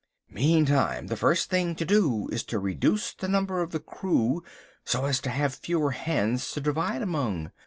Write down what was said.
"Meantime, the first thing to do is to reduce the number of the crew so as to have fewer hands to divide among.